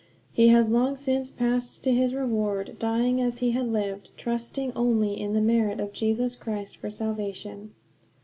He has long since passed to his reward, dying as he had lived, trusting only in the merit of Jesus Christ for salvation.